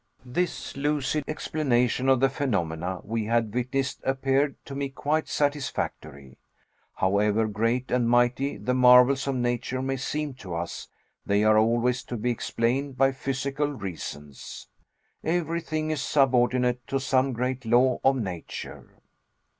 This lucid explanation of the phenomena we had witnessed appeared to me quite satisfactory. However great and mighty the marvels of nature may seem to us, they are always to be explained by physical reasons. Everything is subordinate to some great law of nature.